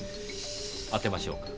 当てましょうか？